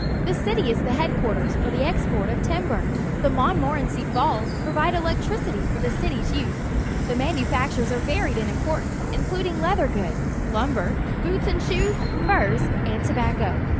The city is the head quarters for the export of timber. The Montmorenc y Falls provide electricity for the city's use. The manufactures are varied and important, including leather 94 PUBLIC SCHOOL GEOGRAPHY goods, lumber, boots and shoes, furs, and tobacco.